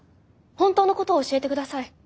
本当のことを教えて下さい。